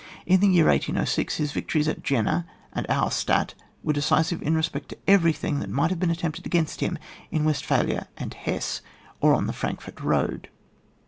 In the year 1806, his Tictories at Jena and Auerstadt were decisiye in respect to everything that might have been attempted against him in West phalia and Hesse, or on the Frankfort road.